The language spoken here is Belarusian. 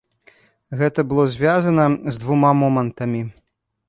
Гэта было звязана з двума момантамі.